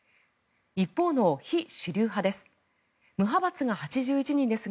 一方の非主流派です。